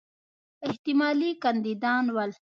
احتمالي کاندیدان ول.